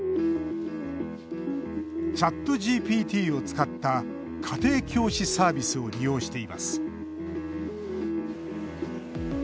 ＣｈａｔＧＰＴを使った家庭教師サービスを利用しています。